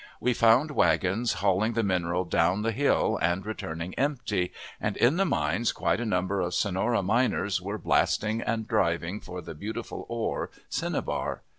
We found wagons hauling the mineral down the hill and returning empty, and in the mines quite a number of Sonora miners were blasting and driving for the beautiful ore (cinnabar).